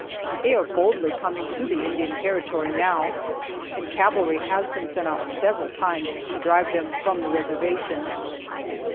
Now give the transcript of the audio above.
They are boldly coming to the Indian Territory now, and cavalry has been sent out several times to drive them from the reservation.